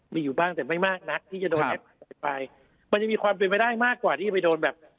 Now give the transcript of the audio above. มีอยู่บ้างแต่ไม่มากนักที่จะโดนแอปอะไรไปมันยังมีความเป็นไปได้มากกว่าที่จะไปโดนแบบ